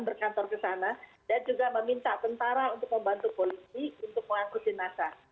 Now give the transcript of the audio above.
berkantor ke sana dan juga meminta tentara untuk membantu polisi untuk mengangkut jenazah